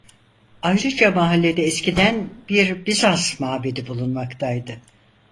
Ayrıca mahallede eskiden bir Bizans mabedi bulunmaktaydı.